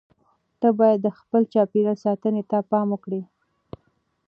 ته باید د خپل چاپیریال ساتنې ته پام وکړې.